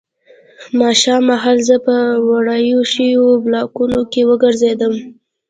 ماښام مهال زه په ورانو شویو بلاکونو کې وګرځېدم